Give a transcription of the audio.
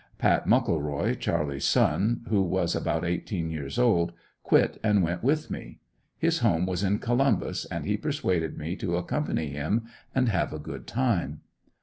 "Pat" Muckleroy, Charlie's son, who was about eighteen years old, quit and went with me. His home was in Columbus and he persuaded me to accompany him and have a good time.